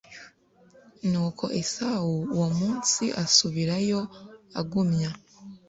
Nuko Esawu uwo munsi asubirayo agumya